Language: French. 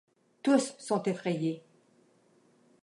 Tous sont effrayés.